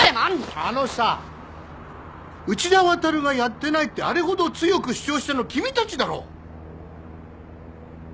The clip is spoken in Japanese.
あのさ内田亘はやってないってあれほど強く主張したの君たちだろ。